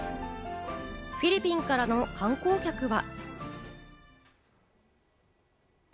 フィリピンからの観光客は。